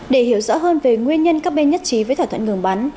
để hiểu rõ hơn về nguyên nhân các bên nhất trí với thỏa thuận ngừng bắn